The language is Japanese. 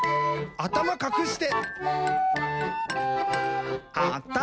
「あたまかくして！」